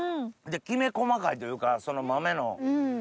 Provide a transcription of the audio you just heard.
きめ細かいというかその豆の。